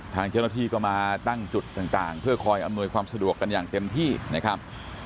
ทางเจ้าหน้าที่ก็มาตั้งจุดต่างเพื่อคอยอำนวยความสะดวกกันอย่างเต็มที่นะครับ